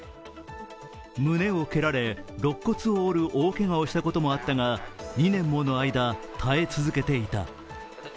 胸を蹴られ、肋骨を折る大けがをしたこともあったが２年もの間、耐え続けていた。